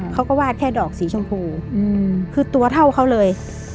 เขาก็วาดแค่ดอกสีชมพูคือตัวเท่าเขาเลย